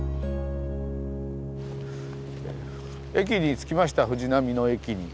駅に着きました藤並の駅に。